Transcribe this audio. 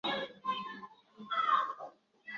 drc congo kwenda kumenyana na semishell de ons